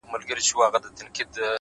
مړاوي یې سترگي؛